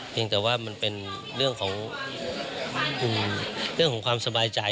เพียงแต่ว่ามันเป็นเรื่องของความสบายใจ